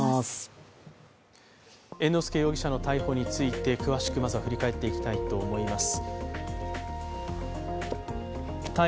猿之助容疑者の逮捕についてまずは詳しく振り返っていきたいと思います。